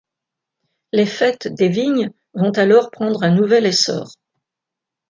Les Fêtes des vignes vont alors prendre un nouvel essor.